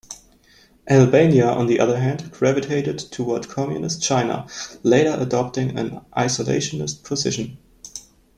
Albania on the other hand gravitated toward Communist China, later adopting an isolationist position.